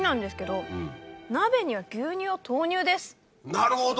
なるほど！